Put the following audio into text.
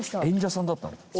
演者さんだったの。